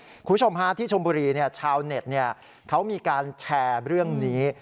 คุณผู้ชมฮะที่ชมบุรีชาวเน็ตเขามีการแชร์เรื่องนี้